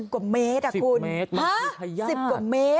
กว่าเมตรคุณ๑๐กว่าเมตร